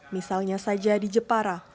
misalnya saja di jepara